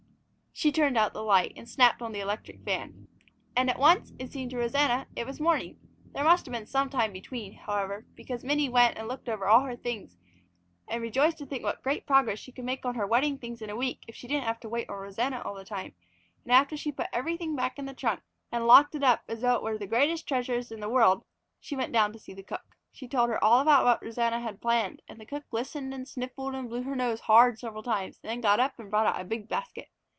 She turned out the light and snapped on the electric fan. And at once, it seemed to Rosanna, it was morning. There must have been some time between, however, because Minnie went and looked over all her things, and rejoiced to think what great progress she could make on her wedding things in a week if she didn't have to wait on Rosanna all the time, and after she had put everything back in the trunk and locked it up as though it was the greatest treasure in the world, she went down to see the cook. She told her all about what Rosanna had planned, and the cook listened and sniffled and blew her nose hard several times and then got up and brought out a big basket.